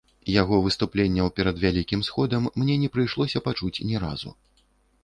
Яго выступленняў перад вялікім сходам мне не прыйшлося пачуць ні разу.